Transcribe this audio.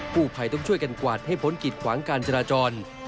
ผู้ภัยต้องช่วยกันกวาดให้พ้นกิดขวางการจราจร